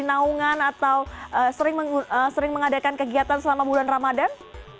naungan atau sering mengadakan kegiatan selama bulan ramadan